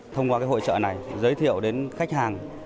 thông qua hội trợ này giới thiệu đến khách hàng